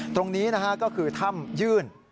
ตรงนี้นะฮะก็คือถ้ำยื่น